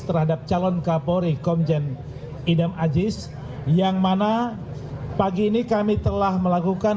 terhadap calon kapolri komjen idam aziz yang mana pagi ini kami telah melakukan